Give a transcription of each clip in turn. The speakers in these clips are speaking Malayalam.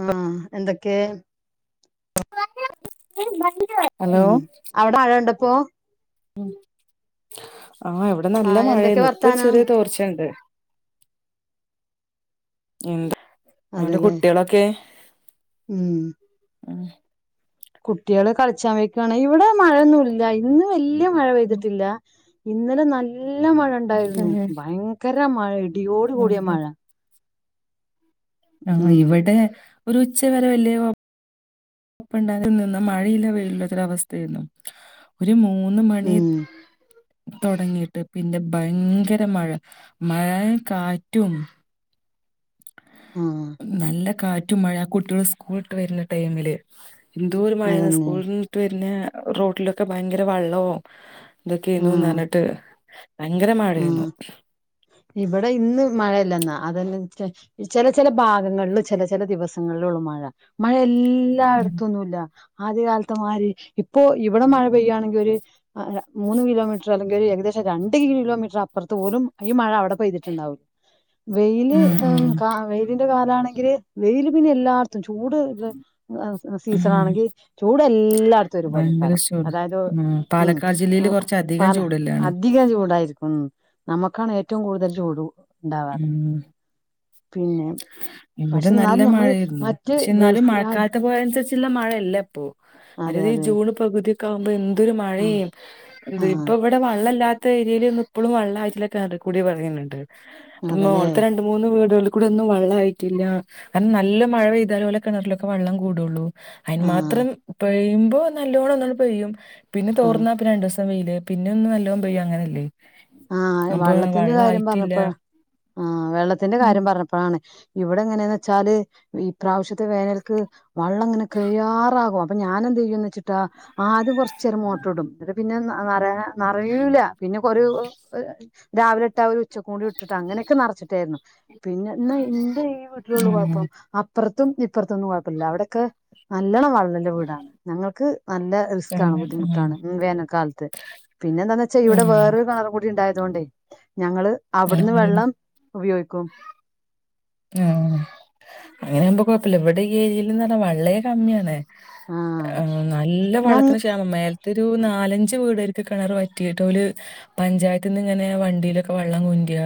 ആഹ് എന്തേക്കെ [unintelligible] ഉം അവ്ട മഴ ഇണ്ടപ്പോ ഉം ആ ഇവടെ നല്ല ആഹ് എന്തൊക്കെ മഴേന്നു ഇപ്പൊ ഒര് വർത്താനം ചെറ്യേ തോർചെണ്ട്. ഇണ്ട് ന്നട്ട് അതെല്ലേ കുട്ടിയളൊക്കെ ഉം ഉം കുട്ടിയള് കൾചാം പോയക്കാണ് ഇവടെ മഴയൊന്നുല്ല ഇന്ന് വല്ല്യാ മഴ ഉം പെയ്തിട്ടില്ല. ഇന്നലെ നല്ല മഴ ഇണ്ടായിരുന്നു ഭയങ്കര മഴ ഇടിയോട്കൂടിയ മഴ. ആ ഉം ഇവടെ ഒരു ഉച്ച വരെ വല്ല്യോ [unintelligible] നിന്ന് മഴയില്ല വെയിലുല്ലാത്തൊരു അവസ്തെയിരുന്നു. ഒര് മൂന്ന് മണി ഉം തൊട്ങ്ങിയിട്ട് പിന്നെ ഭയങ്കര മഴ മഴേ കാറ്റും ആ നല്ല കാറ്റും മഴ കുട്ടിയള് സ്കൂള്ട്ട് വെര്ന്ന ടൈമില് ന്തോഒര് മഴ അതന്നെ സ്കൂൾന്ന് ട്ട് വെര്നെ റോട്ടിലൊക്ക ഭയങ്കര വള്ളവും ഇതെക്കെയേന്നു ആഹ് നർഞ്ഞിട്ട് ഭയങ്കര മയേന്നു. ഇവടെ ഇന്ന് മഴയല്ല ന്നാ അതെന്നെ ചെ ചെലെ, ചെലെ ഭാഗങ്ങൾല് ചെലെ, ചെലെ ദിവസങ്ങൾലും ഒള്ളു മഴ മഴ എൽ ഉം എല്ലായിട്ത്തൊന്നു ഇല്ല ആദ്യകാലത്ത മാരി ഇപ്പൊ ഇവടെ മഴ പെയ്യാണെങ്കി ഒര് അയ മൂന്ന് കിലോമീറ്റർ അല്ലെങ്കി ഒരു ഏകദേശം രണ്ട് കിലോ മീറ്റർ അപ്പർത്ത് പോലും ഈ മഴ അവടെ പെയ്തിട്ട്ണ്ടാവും വെയ്ല് ഉം ഉം കാ വെയിലിന്റെ കാലാണെങ്കില് വെയില് പിന്നെ എല്ലാട് ത്തും ചൂട് ഇള്ള സീസണ ഉം ആണെങ്കി ചൂട് എല്ലായിടത്തും ഒരു ഭയങ്കര പോലെക്കാരം ചൂട് അതായത് ഉം ഉം പാലക്കാട് ജില്ലയില് [unintelligible] കൊറച്ചധികം പാല ചൂടല്ലാണ് അത് ധികം ചൂടായിരിക്കും ന്നമ്മക്കാണ് ഏറ്റവും കൂടുതൽ ചൂടും ഉം പിന്നെ ഇവിടെ പക്ഷെ നല്ല എന്നാലും നമ്മള് മഴയെര്ന്നു. മറ്റ് പക്ഷേ ന്നാലും ഗൾഫ് രാജ് മഴക്കാൽത്ത പോലെ അൻസര്ച്ള്ള മഴ അല്ലപ്പോ അതെ മറ്റത് ഈ അതെ ജൂണ് പകുതിയൊക്ക ആവുമ്പ. എന്തൊരു ആഹ് മഴിം എന്ത്. ഇപ്പ ആഹ് ഇവടെ വള്ളല്ലാത്ത ഏരിയെലെന്നും ഇപ്പളും വള്ളായിട്ടില്ല. കേറികുടി പറയുന്നുണ്ട്.. പ്പ അതെല്ലേ മോൾത്ത രണ്ട്. രണ്ട് മൂന്ന് വീടുകള്കൂടെ ഒന്നും വള്ളയിട്ടില്ല. കാരണം. നല്ല മഴ പെയ്താലേ. ഓലെ കെണറിലൊക്കെ. വെള്ളം കൂടുള്ളൂ.. അയിന് ആഹ് മാത്രം പെയ്മ്പോ നല്ലോണന്നാണ്ട്പെയ്യും. പിന്നെ ആഹ് തോർന്ന രണ്ട്സം വെയില് പിന്ന ന്ന് നല്ലോം. പെയ്യും അങ്ങനെല്ലേ.. ആഹ് വള്ളത്തിന്റെ കാര്യം പർണപ്പോഴ ആഹ് വെള്ളത്തിന്റെ ഉം കാര്യം പർണപ്പഴാണ്.. ഇവിടെങ്ങനെയന്ന് വെച്ചാല്. ഈ പ്രാവശ്യത്തെ വേനൽക്ക്.. വള്ളംങ്ങനെ കഴിയാറാകും. അപ്പൊ ഞാന എന്ത ചെയ്യുവെച്ചിട്ടാ. ആദ്യം കൊറച്ച്.. ചെറു മോട്ടർ ഇടും. എന്നട്ട് പിന്നെ നറ നറയൂല പിന്നെ കൊരൂ ഒര് രാവിലെട്ട ഒരു ഉച്ച കൂടി. ഇട്ടിട്ട് അങ്ങനെയൊക്കെ. നറച്ചിട്ടേരുന്നു.. പിന്നെ ന്നാ. എന്റെ ഈ വീട്ടിലൊള്ളു. ഉം കൊഴപ്പം ഇപ്പറത്തും. ഇപ്പറത്തൊന്നും കൊഴപ്പല്ല. അവിടെക്കെ നല്ലോണം. വള്ളള്ള വീടാണ്. ഞങ്ങൾക്ക് നല്ല.. റിസ്ക്കാണ് തന്നെ. ഉം ബുദ്ധിമുട്ടാണ്. മ്മ് വേനൽക്കാലത്ത്. പിന്നെന്താന്ന് വെച്ചാ. ഇവിടെ ഉം. വേറൊരു കേണർ വി ണ്ടായതൊണ്ടേ. ഞങ്ങള് ആഹ് അവിട്ന്ന് അതെ വെള്ളം ഉവുയോക്കും.. ആഹ് അങ്ങനെയ ആവുമ്പോ കുഴപ്പല്ല. ഇവിടെ ഈ ഏരിയൽനിന്ന്ർണ്ണ. വള്ളേ കമ്മിയാണ്.. ആഹ് നല്ല ഞ വള്ളത്തിന് ക്ഷ്യമം മേൽ ഇതൊരു നാലഞ്ച് വീടെര്ക്ക്. കെണർ വറ്റിട്ട്. ഓല്. പഞ്ചായത്ത്ന്ന് ഇങ്ങനെ. വണ്ടിലൊക്കെ. വെള്ളം കൊണ്ട്യ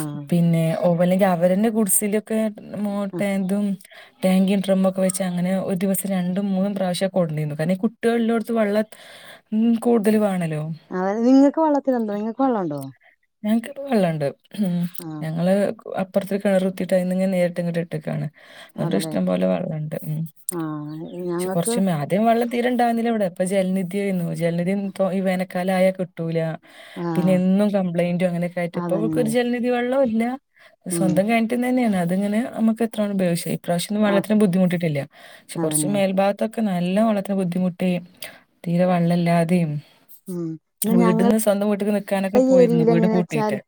ആഹ് പിന്നെ ഓവലെങ്കി അവരെന്നെ. കുടിസിലൊക്കെ മോ പേന്തും. ടാങ്കിം ഡ്രമ്മുക്കെ വെച്ച്. അങ്ങനെ ഒരു ദിവസം രണ്ടും മൂന്നും പ്രാവശ്യ കൊടുന്നിന്നു. കരണം കുട്ട്യോള്ളോടുത്ത് വെള്ള ഉം കൂടുതൽ വണലോ.. [unintelligible] നിങ്ങക്ക് വള്ളത്തിലുണ്ടോ. നിങ്ങക്ക് വള്ളണ്ടോ.. ഞങ്ങക്കിപ്പോ വെള്ളണ്ട്. ഉം ആഹ് ഞങ്ങള് അപ്പർത്ത് കെണറുത്തിട്ട്. അയിന്നങ്ങെനെ. നേരിട്ട്ങ്ങണ്ട് ഇട്ട്ക്കാണ്.. ന്നട്ട് അതല്ലേ ഇഷ്ടം പോലെ വളളണ്ട് ഉം ആഹ് പഷേ ഞങ്ങൾക്ക് കൊറച്ച മേൽ ദ്യം വെള്ളം തീരണ്ടാന്നില്ല ഇവിടെ. ഇപ്പൊ ജൽനിധി യെന്നു. ജൽനിധി തൊ ഈ വേനക്കാലായ. കിട്ടൂല പിന്നെ ആഹ് എന്നും കംപ്ലൈൻഡും. അങ്ങനെയൊക്കയിട്ട്. ഇപ്പൊ അതന്നെ ഒരു ജൽനിധി വെള്ളോല്ല.. ഉം സ്വന്തംകെൺറ്റിന്നെണ്. അത്ങ്ങനെ നമക്ക് എത്രോണം ഉപയക്ഷും.. ഇപ്രാവശ്യന്നും ആഹ് വളളത്തിന് ബുദ്ധിമുട്ടിട്ടില്ല പഷേ കൊറച്ച് അതന്നെ മേൽഭാ ക്കെ നല്ല വള്ളത്തിന് ബുദ്ധിമുട്ടിം തീരെ വള്ളല്ലാതിം.. ഉം എന്നാ ഞങ്ങള വീട്ടിന്ന് സ്വന്തം വീട്ടിക് നിക്കാനൊക്കെ ഈ പോയിരുന്നു ഏരിയൽ വീട് എങ്ങനെ വെച്ചാൽ പൂട്ടിയിട്ട്.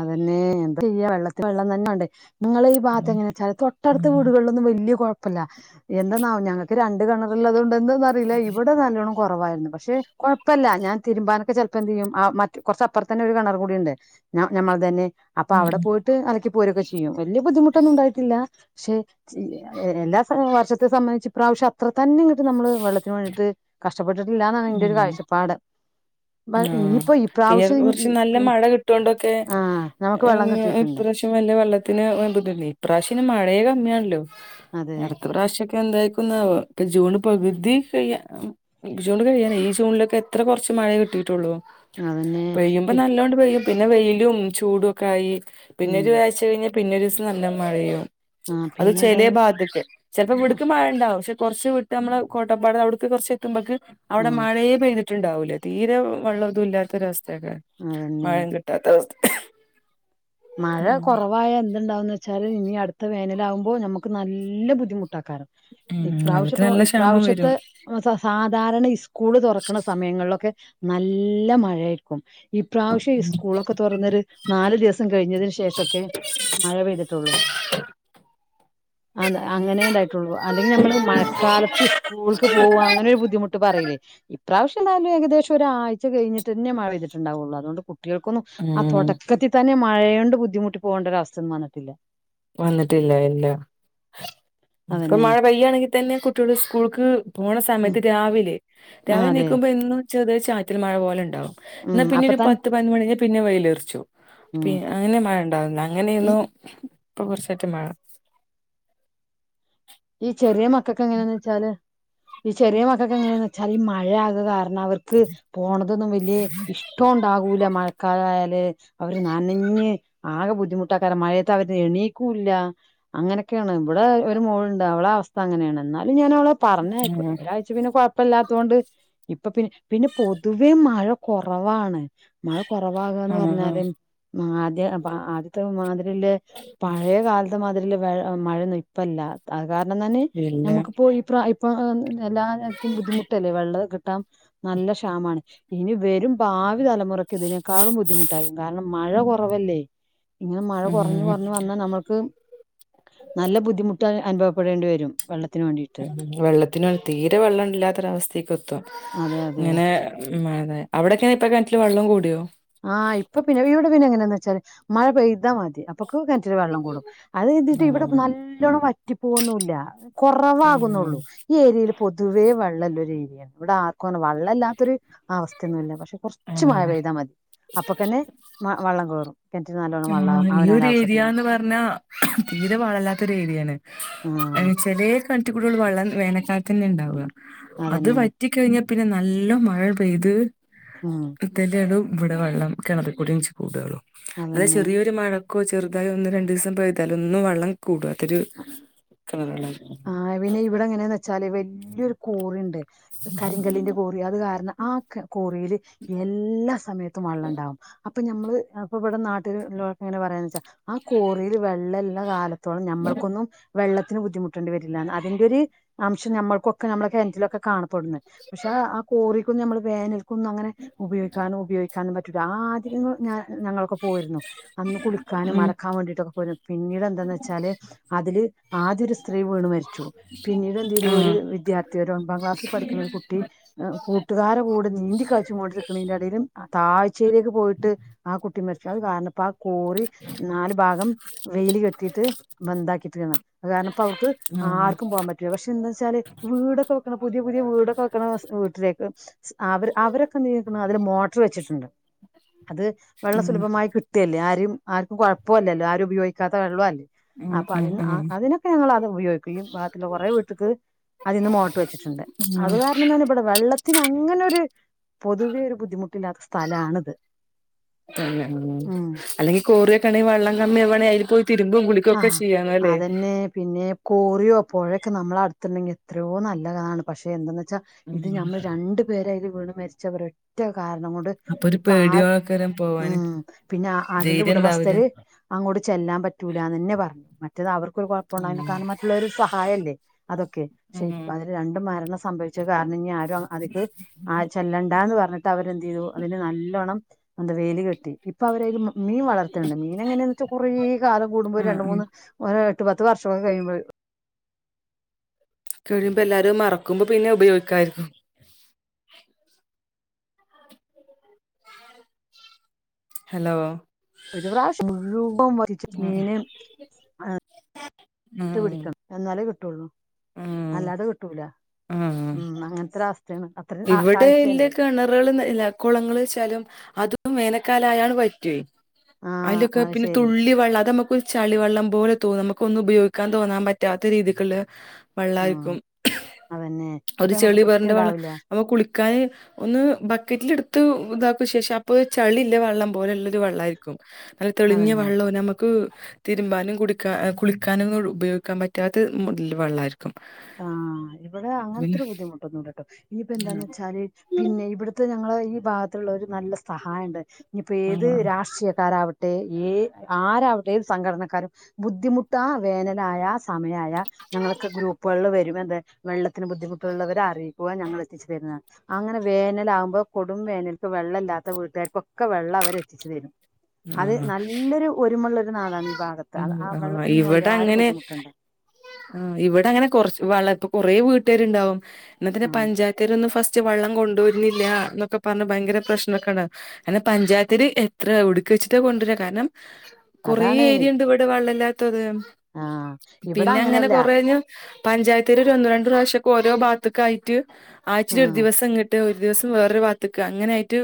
അതന്നെ എന്താ ചെയ്യ. വെള്ളത്തിന് വെള്ളം തന്നെ വണ്ടേ നിങ്ങളെ ഈ ഭാത്ത് ഉം. എങ്ങനെച്ചാൽ. തൊട്ടടുത്ത ആഹ് വീടുകളോന്നും വല്ല്യകൊഴ് പ്പല്ല. എന്തന്നാവൊ ഞങ്ങക്ക് രണ്ട് കെണറള്ളതൊണ്ട് ന്നറിയില. ഇവിടെ നല്ലോണം.. കുറവായിരുന്നു പഷേ കൊഴപ്പല്ല. ഞാൻ തിരുമ്പാനൊക്കെ ചെലപ്പോ. എന്ത്യ്യും. ആ മറ്റ്. കൊറച്ചപ്പൊറതന്നെ ഒരു കെണർ കൂടിണ്ട്.. നാ ഞമ്മളത ന്നെ അപ്പൊ അവടെ പോയിട്ട്. അലക്കി പോരൊക്കെ ചെയ്യും. വല്ല്യ ബുദ്ധിമുട്ടൊന്നുണ്ടായിട്ടില്ല.. പഷേ സില്ല. എല്ലാ വർഷത്തെ സംബന്തിച്ച്. ഇപ്രാവശ്യം അത്ര തന്നെ നമ്മള് വെള്ളത്തിന് വേട്ട് കഷ്ടപ്പെട്ടിട്ടില്ലന്നാണ് ന്റെറെരു കാഴ്ചപ്പാട്.. പ്പ ഇഞ്ഞിപ്പോ ഇപ്രാവശ്യം ഇഞ് പിൻ ട്ടൊണ്ടോകെ ഞ്ഞ് കിട്ടിയിട്ടുണ്ട് ഇപ്രാശ്യ വല്ല്യ വെള്ളത്തിന് ബുദുല്ലേ ഇപ്രാശ്യന്നെ മഴേ കമ്മിയൺല്ലോ അതെ അടുത്ത പ്രാശ്യം എന്തായിക്കുന്നാവൊ ഇപ്പൊ ജൂണ് പകുതി കെയ്യ ജുണ്ട് കഴിയാനായി. ഈ ജൂൺലൊക്കെ എത്ര കൊറച്ച് മഴ കിട്ടിയിട്ടൊള്ളൂ. അതന്നെ പെയ്യുമ്പോ പി നല്ലോണ്ട് പെയ്യും പിന്നെ വെയിലും ചൂടും ഒക്കെയി. പിന്നെ ഉം ഒരുഴചഴിഞ്ഞാ. പിന്നെ ഒരുസം നല്ല മഴയും.. ആ അത് ചെലേ പിന്നെന്താന്ന് ബാത്ത്ക്. ചെലപ്പോ ആ ഇവിടുക്ക് മഴണ്ടാവും. പഷേ കുറച്ച് വിട്ട് നമ്മളെ. കോട്ടപ്പാട് അവു ടുക്ക് കൊറച്ച് എത്തുമ്പക്ക് അവിടെ മഴേ പെയ്തി ട്ട്ണ്ടാവൂലേ. തീരെ വള്ളതോന്നും. ഇല്ലാത്തൊരവസ്ഥക്കരം. അതന്നെ മഴ കിട്ടാത്ത അവസ്ഥ.. മഴ ഉം കൊറവായ എന്ത്ണ്ടാവുന്ന് വെച്ച്. ച്ചാല് ഇനി അടുത്ത വേനലാവുമ്പോ ഞമ്മക്ക് നല്ല ബുദ്ധിമുട്ടാക്കാരം ഉം വെള്ളത്തിന് ഇപ്രാവശ്യപ്പൊ നല്ല ക്ഷാമം ഇപ്രാവശ്യത്തെ വരും സ സാധാരണ ഇസ്കൂള് തുറക്കണ സമയങ്ങളിലൊക്കെ നല്ല മഴയായിരിക്കു ഇപ്രാവശ്യം ഇസ്കൂളൊക്കെ തുറന്നൊരു നാല് ദിവസ സം കഴിഞ്ഞതിന് ശേഷൊക്കെ മഴ പെയ്തിട്ടുള്ളൂ [inaudible] അ അങ്ങനെണ്ടായിട്ടുള്ളു അല്ലെങ്കി നമ്മള് മഴക്കാലത്ത് സ് കൂൾക്ക് പോവ അങ്ങനെയൊരു ബുദ്ധിമുട്ട് പറയിലെ ഇപ്രാവശ്യെന്തായാലും ഏകദേശം ഒരായ്ച്ച കഴിഞ്ഞിട്ടെന്നെ മഴ പെയ്തിട്ടുണ്ടാവുള്ളു അതൊണ്ട് കു ട്ടികൾക്കൊന്നും ആ ഉം തൊടക്കത്തി തന്നെ മഴയോണ്ട് ബുദ്ധിമുട്ടി പോകേണ്ട ഒരവസ്ഥ ഒന്നും വന്നിട്ടില്ല വന്നിട്ടില്ല ഇല്ല ഇപ്പൊ അതന്നെ. മഴ പെയ്യാണെങ്കി തന്നെ കുട്ട്യോൾ സ്കൂൾക്ക് പോണ ഉം. സമയത്ത് രാവിലെ ആഹ് രാവിലെ അതെ. നീക്കുമ്പോ എന്നും ചെറിയൊരു ചാറ്റൽ മഴ പോലെണ്ടാവും ഇന്നാ ഉം പിന്നെ അപ്പ ഒരു തൻ പത്ത് പതിനൊന്ന് മണി കയിഞ്ഞ പിന്നെ വെയിലെറിച്ചു പി ഉം അങ്ങനെ മഴണ്ടാവുന്നെ ഈ അങ്ങനേരുന്നു ഇപ്പൊ കൊറച്ചായിട്ട് മഴ ഈ ചെറിയ മക്കക്ക്‌ എങ്ങനെന്ന് വെച്ചാല് ഈ ചെറിയ മക്കക്ക്‌ എങ്ങനെന്ന് വെച്ചാൽ ഈ മഴയാകെ കാര ണവർക്ക് പോണതൊന്നും വല്യേ ഇഷ്ടോണ്ടാകൂല മഴക്കാലായല് അവര് നനഞ്ഞ് ആകെ ബുദ്ധിമു ട്ടാക്കാരം മഴയത്തവര് എണീക്കൂല്ല അങ്ങനെയൊക്കെയാണ് ഇവിടെ ഒരു മോള്ണ്ട് അവളവസ്ഥ അങ്ങനെയാണ് ഇന്നാലും ഞാനവളെ പറഞ്ഞയക്കും ഉം ച് പിന്നെ കൊഴപ്പല്ലാത്തോണ്ട് ഇപ്പൊ പിന്നെ പിന്നെ പൊതുവേ മഴ കൊറവാണ് മഴ കൊറവാകാന്ന് ആഹ് പറഞ്ഞാല് ആദ്യ ആദ്യത്തെ മാതിരിള്ള പഴേ കാലത്തെ മാതിരില്ല വെ മഴയൊന്നും ഇപ്പല്ല അത് കാരണം തന്നെ ഇല്ല നമുക്കിപ്പോ ഇപ്രാ ഇ പ്പ എല്ലാർക്കും ബുദ്ധിമുട്ടല്ലേ വെള്ളം കിട്ടാൻ നല്ല ക്ഷാമാണ് ഇനി വെരും ഭാവി തലമുറയ്ക്ക് ഇതിനേക്കാളും ബുദ്ധിമുട്ടായിരിക്കും കാരണം മഴ കൊറവല്ലേ ഇങ്ങനെ മഴ കൊറഞ്ഞു ഉം കൊറഞ്ഞു വന്നാ നമ്മള്ക്ക് നല്ല ബുദ്ധിമുട്ട് അനുഭവപ്പെടേണ്ടി വരും വെള്ളത്തി വെള്ളത്തിനാണ് തീരെ വെള്ളല്ലാത്തൊരവസ്ഥേക്കെത്തും അതെ അതെ ഇങ്ങനെ മ്മ് അതെ അവിടൊക്കെങ്ങനെ ഇപ്പൊ കെണറ്റില് വെള്ളം കൂടിയോ ആഹ് ഇപ്പൊ പിന്നെ ഇവിടെ പിന്നെ എങ്ങനെന്ന് വെച്ചാല് മഴ പെയ്താ മതി അപ്പൊക്ക്‌ കെണറ്റില് വെള്ളം കൂടും അത് കരുതിട്ട് ഇവിടെ ആഹ് നല്ലോണം വറ്റിപ്പോവൊന്നുല്ല ഉം കൊറവാകുന്നുള്ളൂ ഈ ഏരിയയിൽ പൊതുവേ വെള്ളല്ലൊരു ഏരിയാണ് ഇവിടെ ആർക്കും അങ്ങനെ വള്ളല്ലാത്തൊരു അവസ്ഥയൊന്നുല്ല പക്ഷെ കൊറച്ച് മഴ ആഹ് പെയ്താ മതി അപ്പൊക്കെന്നെ വള്ളം കയറും കെണറ്റില് നല്ലോണം ആ വെള്ളാവും ഈ അവനാന്റെ ഒരു ആവശ്യത്തിന് ഏരിയാന്ന് പറഞ്ഞാ തീരെ വള്ളല്ലാത്തൊരു ഏരിയാണ് ഉം എന്ന്ച്ചാല് കെണറ്റിക്കൂടിയൊള്ളു വള്ളം വേനക്കാലത്തെന്നെ ഇണ്ടാവ അത് വ അതന്നെ റ്റി കഴിഞ്ഞാ പിന്നെ നല്ലോം മഴ പെയ്ത് ഉം ന്റെടും ഇവടെ വള്ളം കിണറിക്കൂടി ഇഞ്ചി കൂടൊള്ളൂ അല്ലെ അതന്നെ ചെറിയൊരു മഴ ക്കൊ ചെറുതായി ഒന്ന് രണ്ടീസം പെയ്താലൊന്നും വെള്ളം കൂടാത്തൊരു കേണർ വെള്ള ആ പിന്നെ ഇവിടെ എങ്ങനെന്ന് വെച്ചാല് വല്ല്യൊരു കോറിണ്ട് കരിങ്കല്ലിന്റെ കോറി അത് കാരണം ആ കോറിയില് എല്ലാ സമയ ത്തും വള്ളണ്ടാവും അപ്പൊ ഞമ്മള് അ ഇപ്പൊ ഇവടെ നാട്ടിലുള്ളോരൊക്കെ എങ്ങനെ പറയാന്ന് വെച്ചാ ആ കോറീല് വെള്ളല്ല കാലത്തോളം ഞമ്മൾക്കൊന്നും വെള്ളത്തിന് ബുദ്ധിമു ട്ടണ്ടി വരില്ല അതിന്റൊരു അംശം നമ്മൾക്കൊക്കെ നമ്മള കെണറ്റിലൊക്കെ കാണപ്പെടുന്ന് പക്ഷെ ആ കോറീക്കൊന്നും ഞമ്മള് വേനല് ക്കൊന്നും അങ്ങനെ ഉപയോഗിക്കാനും ഉപയോഗിക്കാനും പറ്റൂല്ല. ആദ്യക്ക്‌ ഞാ ഞങ്ങളൊക്കെ പോയിരുന്നു. അന്ന് കുളിക്കാനും ഉം അലക്കാൻ വേണ്ടിട്ടൊക്കെ പോയിരുന്നു. പിന്നീട് എന്താന്ന് വെച്ചാല് അതില് ആദ്യൊരു സ് ത്രീ വീണ് മരിച്ചു. പിന്നീട് എന്തെയ്തു ഒരു ആഹ് വിദ്യാർത്ഥി ഒരു ഒമ്പാം ക്ലാസ്സിൽ പഠിക്കണ ഒരു കുട്ടി കൂട്ടുകാരെ കൂടെ നീന്തി കളിച്ചു കൊണ്ടിരിക്കണേന്റെടേലും താഴ്ചയിലേക്ക് പോയിട്ട് ആ കുട്ടി മരിച്ച്. അയ് കാരണപ്പാ കോറി നാല് ഭാഗം വേലി കെട്ടിയിട്ട് ബന്താക്കിട്ട്ക്ക്ണ്. അത് കാരണം ഇപ്പ അവ്ട്ക്ക് ആഹ് ആർക്കും പോകാൻ പറ്റ് ല്ല പക്ഷെ എന്താ വെച്ചാല് വീടൊക്കെ വെക്കണ പുതിയ പുതിയ വീടൊക്കെ വെക്കണ വീട്ടിലേക്ക് അവർ അവരൊക്കെ എന്ത് ചെയ്ത്ക്ക്ണ് അതില് മോട്ടർ വെച്ചിട്ടുണ്ട്. അത് വെള്ളം ആഹ് സുലഭമായി കിട്ടുവല്ലേ. ആരും ആർക്കും കുഴപ്പല്ലല്ലോ. ആരും ഉപയോഗിക്കാത്ത വെള്ളും അല്ലേ. അപ്പൊ അതിന് ആഹ് അതിന് ഞങ്ങളത് ഉപയോഗിക്കുകയും ബാക്കിയുള്ള കുറെ വീട്ട്ക്ക് അതിന്ന് മോട്ടറ് വെച്ചിട്ടുണ്ട്. ആഹ് അത് ആഹ് കാരണംന്നാല് ഇവടെ വെള്ളത്തിന് അങ്ങനെ ഒര് പൊതുവേ ഒരു ബുദ്ധിമുട്ടില്ലാത്ത സ്ഥലാണിത്. ഉം. അല്ലെങ്കിൽ കോറിയൊക്കെണ്ടെങ്കി വള്ളം കമ്മി ആവാണെ അയ്ൽ പോയി തിരുമ്പും കുളിക്കുവൊക്കെ ചെയ്യാര്ന്നു അല്ലേ? പിന്നേ, കോറിയോ പൊഴയൊക്കെ നമ്മളടുത്തുണ്ടെങ്കിൽ എത്രയോ നല്ലതാണ്. പക്ഷേ എന്തെന്ന് വെച്ചാൽ ഉം ഇത് ഞമ്മൾ രണ്ടു പേരയ്ല് വീണ് മരിച്ച ഒറ്റ കാരണം കൊണ്ട് അപ്പൊ ഒരു ഇപ്പൊ ആര്, പേടിയോക്കാരം പോവാന് ഉം. പിന്നെ അതിന്റെ ധൈര്യം ഇണ്ടാവൂല ഉടമസ്ഥര് അങ്ങോട്ട് ചെല്ലാൻ പറ്റു റ്റൂലാന്ന് തന്നെ പറഞ്ഞു. മറ്റത് അവർക്ക് ഒരു കുഴപ്പുണ്ടായിര്ന്നില്ല ഉം കാരണം മറ്റുള്ളവരു ഒരു സഹായല്ലേ? അതൊക്കെ. ഉം ശൈത്ത്വാന് രണ്ട് മരണം സംഭവിച്ചത് കാരണം ഇഞ്ഞ് ആരും അതിക്ക് ചെല്ലണ്ട എന്ന് പറഞ്ഞിട്ട് ട്ട് അവരെന്ത് ചെയ്തു അതിന് നല്ലോണം എന്ത വേലി കെട്ടി. ഇപ്പൊ അവരയ്ല് മീൻ വളർത്ത്ണ് ണ്ട്. മീനെങ്ങനെയാന്ന് വെച്ചാ കുറേ കാലം കൂടുമ്പോ ഒരു ആഹ് രണ്ട് ഉം മൂന്ന് എട്ട് പത്ത് വർഷൊക്കെ കഴിയുമ്പോ കഴിയുമ്പോ എല്ലാരും മറക്കുമ്പോ പിന്നെ ഉപയോഗിക്കായിരിക്കും. ഹലോ. ഒരു പ്രാവശ്യം മുഴുവൻ വറ്റിച്ചിട്ട് ഉം മീന് ഈഹ് ട്ട് ഉം പിടിക്കണം. എന്നാലേ കിട്ടൂള്ളു. ഉം അല്ലാതെ കിട്ടൂല. ഉം അങ്ങനത്തെ ഒരു അവസ്ഥയാണ്. ഇവിടെ ഇല്ല കിണറുകള് ന ല്ല കുളങ്ങള്ച്ചാലും അത് പ്പം വേനക്കാലായാ അങ്ങട് വറ്റുവെ. ആഹ് അയിലൊക്കെ അത് പിന്നെ ശരി തുള്ളി വെള്ളം അതമ്മക്ക് ഒരു ചളി വെള്ളം പോലെ തോന്നും നമുക്കൊന്നും ഉപയോഗിക്കാൻ തോന്നാൻ പറ്റാത്ത രീതിക്ക്ള്ളെ ആഹ് വെള്ളായിരിക്കും. അതന്നെ അപ്പൊ ഒരു നമുക്ക് ചെളി തൃപ്തി പെരണ്ട വെള്ളം ഉണ്ടാവില്ല അപ്പോ കുളിക്കാന് ഒന്ന് ബക്കറ്റിലെടുത്ത് ഇതാക്കും ശേഷം അപ്പോ ചളിള്ള വെള്ളം പോലെല്ലൊരു വെള്ളായിരിക്കും. നല്ല തെളിഞ്ഞ അതന്നെ വെള്ളവും നമുക്ക് തിരുമ്പാനും കുടിക്കാ ഈഹ് കുളിക്കാനും ഉപയോഗിക്കാൻ പറ്റാത്ത മോഡൽ വെള്ളായിരിക്കും. ആഹ് ഇവിടെ അങ്ങനത്തെ ഒരു ബുദ്ധിമുട്ടൊന്നുല്ല ട്ടോ. ഇനിയിപ്പ എന്താന്ന് വെച്ചാല് പിന്നെ ഇവിടെ ത്ത് ഞങ്ങള് ഈ ഭാഗത്തുള്ളോര് നല്ല സഹായണ്ട്. ഇനിയിപ്പോ ആ ഏത് രാഷ്ട്രീയക്കാരാവട് ട്ടെ ഏഹ് ആരാവട്ടെ ഏത് സംഘടനക്കാരും, ബുദ്ധിമുട്ട് ആ വേനലായാ ആ സ് സമയായാ ഞങ്ങൾക്ക് ഗ്രൂപ് വരും എന്ത്, വെള്ളത്തിന് ബുദ്ധിമുട്ടുള്ളവര് അറിയിക്കുക, ഞങ്ങള് എത്തിച്ചു തരുന്നതാണ് അങ്ങനെ വേനലാകുമ്പോ കൊടും വേനൽക്ക് വെള്ളല്ലാത്ത വീട്ടുകാർക്കൊക്കെ വെള്ളം അവരെത്തിച്ചു തരും. അത് ആ നല്ലൊരു ഒരുമള്ളൊരു നാടാണ് ഈ ഭാഗത്ത്. ഉം ആ ആഹ് വെള്ളത്തിനൊന്നും വേണ്ടി ഇവിടെ ആരും അങ്ങനെ ബുദ്ധിമുട്ടണ്ട. ആഹ് ഇവിടെ അങ്ങനെ കുറച്ച് വെള്ള, ഇപ്പൊ കൊറേ വീട്ടുകാരുണ്ടാവും. എന്നിട്ടന്നെ ആ പഞ്ചായത് ത്താര് വന്ന് ഫസ്റ്റ് വെള്ളം കൊണ്ട് വരുന്നില്ല എന്നൊക്കെ പറഞ് ഭയങ്കര പ്രശ്നൊക്കാണ്. അയ്‌ൻ പഞ്ചായത്തില് എത്ര എ - വ്ട്കച്ചിട്ട കൊണ്ടുവരാ കാരണം കുറെേ അതാണ് ഏരിയ ഉണ്ട് ഇവിടെ വെള്ളല്ലാത്തത് ആ ഇവിടെ പിന്നെ അങ്ങനെ അങ്ങനെയല്ല കൊറേഞ്ഞ പഞ്ചായത്താര് ഒന്നു രണ്ട് പ്രാവശ്യ ഒക്കെ ഓരോ ഭാഗത്തക്ക് ആയിട്ട് ആ ആഴ്ച്ചയില് ഒരു ദിവസം ഇങ്ങട്ട് ദിവസം വേറൊരു വാത്തക്ക് അങ്ങനെ ആയിട്ട്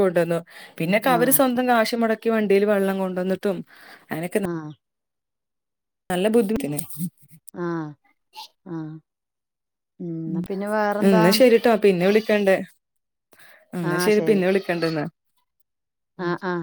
കൊണ്ടുവന്നു പിന്നെക്കെ ആ അവര് സ്വന്തം കാശ് മുടക്കി വണ്ടിൽ വെള്ളം കൊണ്ടന്നിട്ടും അങ്ങനൊക്കെ ആഹ് നല്ല ബുദ്ധിമുട്ടന്നെ ആഹ് ആഹ് ന്നാ ശരിട്ടോ പിന്നെ വിളിക്കണ്ട് എന്നാ ശരി പിന്നെ വിളിക്കണ്ട് ന്നാ ആ ആ